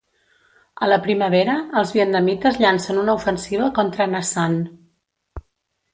A la primavera els vietnamites llancen una ofensiva contra Na San.